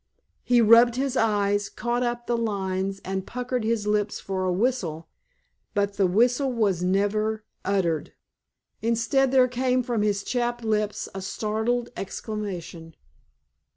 He rubbed his eyes, caught up the lines and puckered his lips for a whistle. But the whistle was never uttered. Instead there came from his chapped lips a startled exclamation.